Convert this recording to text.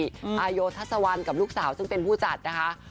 อาโยทัศวรรณกับลูกสาวซึ่งเป็นผู้จัดนะคะ